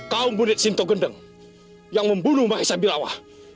kau bunit sinto gendeng yang membunuh mbah esa birawa